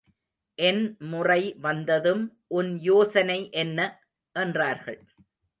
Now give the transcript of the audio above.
என் முறை வந்ததும், உன் யோசனை என்ன? என்றார்கள்.